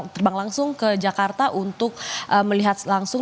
terbang langsung ke jakarta untuk melihat langsung